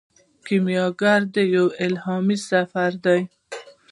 کیمیاګر یو الهامي سفر دی.